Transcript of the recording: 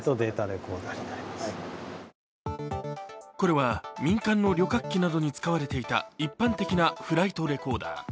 これは民間の旅客機などに使われていた一般的なフライトレコーダー。